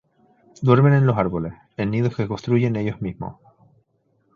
Duermen en los árboles, en nidos que construyen ellos mismos.